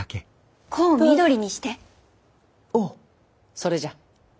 それじゃ！